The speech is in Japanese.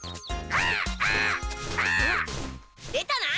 出たな！